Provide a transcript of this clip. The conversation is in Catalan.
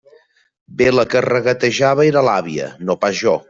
Bé, la que regatejava era l'àvia, no pas jo.